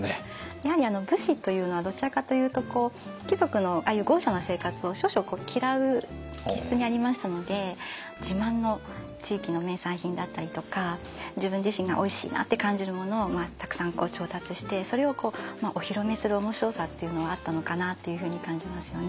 やはり武士というのはどちらかというと貴族のああいう豪しゃな生活を少々嫌う気質にありましたので自慢の地域の名産品だったりとか自分自身がおいしいなって感じるものをたくさん調達してそれをお披露目する面白さっていうのはあったのかなっていうふうに感じますよね。